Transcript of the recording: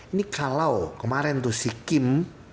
ini kalau kemarin tuh si kim